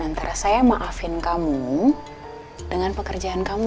antara saya maafin kamu dengan pekerjaan kamu